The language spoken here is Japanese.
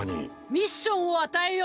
ミッションを与えよう！